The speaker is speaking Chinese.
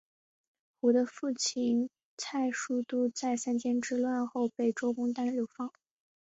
胡的父亲蔡叔度在三监之乱后被周公旦流放。